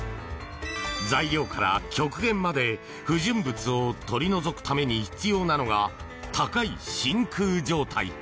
材料から極限まで不純物を取り除くために必要なのが高い真空状態。